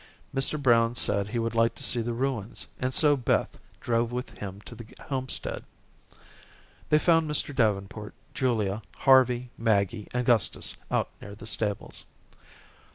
Mr. Brown said he would like to see the ruins and so Beth drove with him to the homestead. They found Mr. Davenport, Julia, Harvey, Maggie, and Gustus out near the stables.